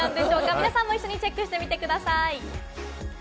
皆さんも一緒にチェックしてみてください。